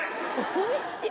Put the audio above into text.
おいしい。